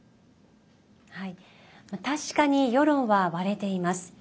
確かに世論は割れています。